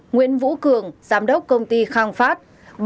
sáu nguyễn vũ cường giám đốc công ty khang phát